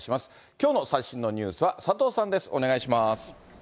きょうの最新のニュースは佐藤さんです、お願いします。